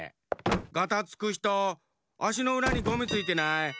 ガタつくひとあしのうらにゴミついてない？